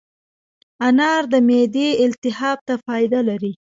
انار د معدې التهاب ته فایده لري.